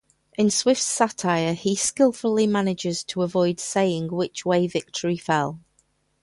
In Swift's satire, he skilfully manages to avoid saying which way victory fell.